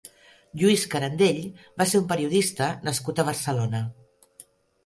Lluís Carandell va ser un periodista nascut a Barcelona.